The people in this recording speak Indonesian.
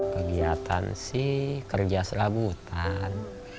kegiatan sih kerja serabutan